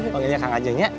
panggilnya akang aja nya